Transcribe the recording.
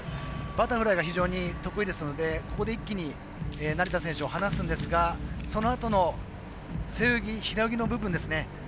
バタフライが非常に得意ですのでここで一気に成田選手を離すんですがそのあとの背泳ぎ、平泳ぎの部分ですね。